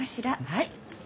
はい。